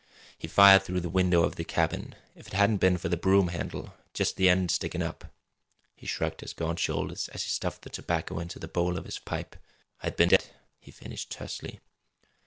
He fired through the window of the cabin. If it hadn't been for the broom handle just the end of it stickin' up" he shrugged his gaunt shoulders as he stuffed the tobacco into the bowl of his pipe "I'd been dead!" he finished tersely.